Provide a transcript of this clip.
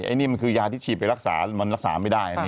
อันนี้มันคือยาที่ฉีดไปรักษามันรักษาไม่ได้นะ